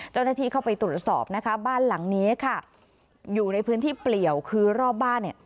เจ้าหน้าที่เข้าไปตรวจสอบนะคะบ้านหลังนี้ค่ะอยู่ในพื้นที่เปลี่ยวคือรอบบ้านเนี่ย